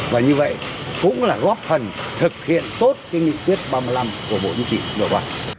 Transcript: và như vậy cũng là góp phần thực hiện tốt cái nghị quyết ba mươi năm của bộ chính trị nội bộ